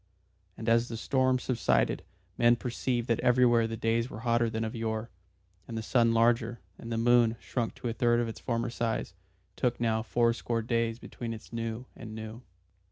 And as the storms subsided men perceived that everywhere the days were hotter than of yore, and the sun larger, and the moon, shrunk to a third of its former size, took now fourscore days between its new and new.